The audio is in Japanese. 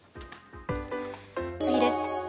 次です。